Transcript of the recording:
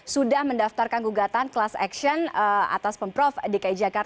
sudah mendaftarkan gugatan kelas aksion atas pemprov dki jakarta